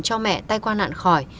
cho mẹ tay qua nạn khỏi